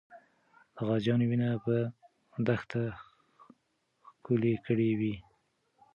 د غازیانو وینه به دښته ښکلې کړې وي.